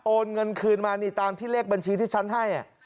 เงินคืนมานี่ตามที่เลขบัญชีที่ฉันให้